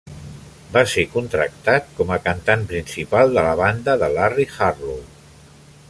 Va ser contractat com a cantant principal de la banda de Larry Harlow.